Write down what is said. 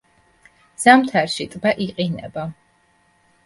ზამთარში ტბა იყინება.